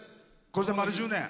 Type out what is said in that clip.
これで丸１０年。